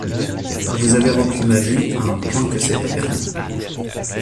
Vous avez rempli ma vie à un point que c’est pas permis !